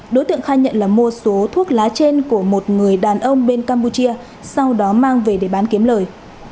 đối tượng khai nhận là mua số thuốc lá trên của một người đàn ông bên campuchia sau đó mang về để bán kiếm lời